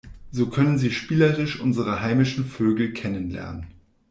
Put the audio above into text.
So können Sie spielerisch unsere heimischen Vögel kennenlernen.